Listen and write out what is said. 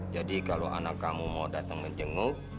jadi kalau anak kamu mau datang ngejenguk